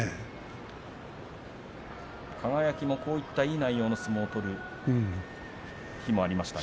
輝もこういういい内容の相撲を取る日もありました。